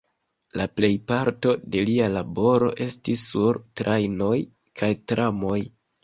La plejparto de lia laboro estis sur trajnoj kaj tramoj.